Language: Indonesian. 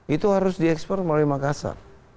itu harus diekspor melalui makassar